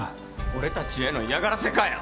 俺たちへの嫌がらせかよ！